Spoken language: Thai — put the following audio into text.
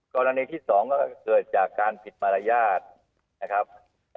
กรณีที่๒ก็เกิดจากการผิดมารยาทนะครับ